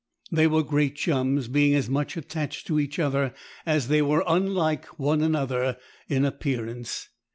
They were great chums, being as much attached to each other as they were unlike one another in appearance.